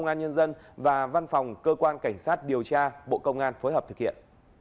công an nhân dân và văn phòng cơ quan cảnh sát điều tra bộ công an phối hợp thực hiện